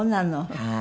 はい。